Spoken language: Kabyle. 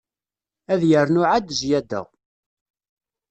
Ad yernu ɛad zyada.